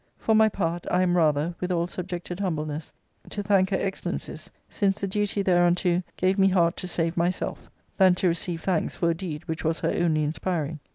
For my part, I am rather, with all subjected humbleness, to thank her excellencies, since the duty thereunto gave me heart to save myself, than to receive thanks for a deed which was her only inspiring."